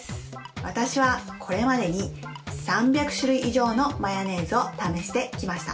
私はこれまでに３００種類以上のマヨネーズを試してきました。